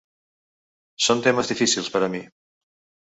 Són temes difícils per a mi.